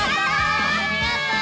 ありがとう！